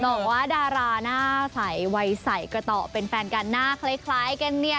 บอกว่าดาราหน้าใสวัยใสก็ต่อเป็นแฟนกันหน้าคล้ายกันเนี่ย